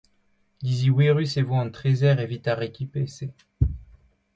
Diziouerus e vo an trezer evit ar rekipe-se.